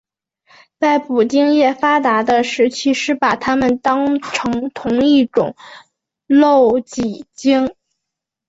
在捕鲸业发达的时期是把它们当成同一种露脊鲸。